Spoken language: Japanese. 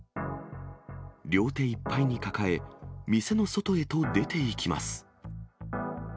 両手いっぱいに抱え、店の外へと出ていきます。